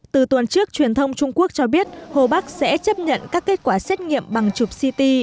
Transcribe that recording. từ tuần trước truyền thông trung quốc cho biết hồ bắc sẽ chấp nhận các kết quả xét nghiệm bằng chụp ct